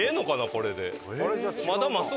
これで。